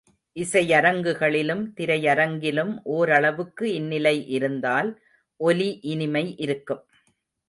இசையரங்குகளிலும் திரையரங்கிலும் ஒரளவுக்கு இந்நிலை இருந்தால், ஒலி இனிமை இருக்கும்.